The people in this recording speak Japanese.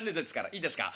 いいですか？